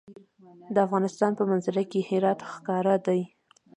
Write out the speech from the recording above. د افغانستان په منظره کې هرات ښکاره دی.